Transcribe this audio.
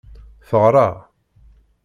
Teɣra.